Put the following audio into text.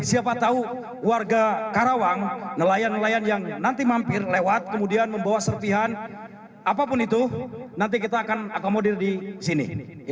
siapa tahu warga karawang nelayan nelayan yang nanti mampir lewat kemudian membawa serpihan apapun itu nanti kita akan akomodir di sini